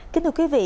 kính thưa quý vị